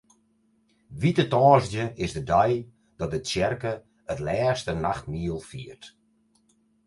Wite Tongersdei is de dei dat de tsjerke it Lêste Nachtmiel fiert.